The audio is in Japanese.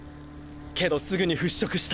けどすぐに払拭した。